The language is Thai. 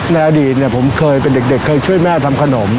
ในอดีตผมเคยเป็นเด็กเคยช่วยแม่ทำขนม